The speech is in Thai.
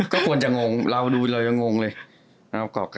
ก็ควรจะงงเราดูเรายังงงเลย